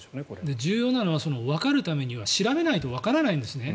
重要なのはわかるためには調べないとわからないんですね。